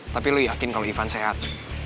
tapi lu yakin kalau ivan sehat